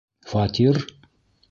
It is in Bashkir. Фатир?